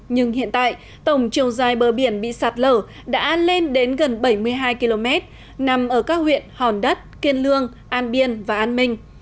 nhưng hiện tại tổng chiều dài bờ biển bị sạt lở đã lên đến gần bảy mươi hai km nằm ở các huyện hòn đất kiên lương an biên và an minh